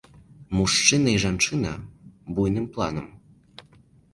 Мужчына і жанчына буйным планам.